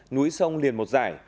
núi sông liền một giải